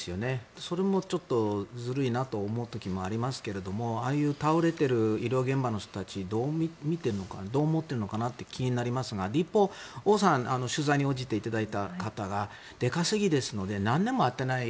それもずるいなと思う時もありますけどもああいう倒れている医療現場の人たちはどう思っているのかなと気になりますが一方、オウさん取材に応じていただいた方が出稼ぎですので何年も会っていない。